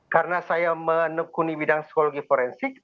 karena saya menekuni bidang psikologi forensik